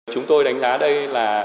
chúng tôi đánh giá đây là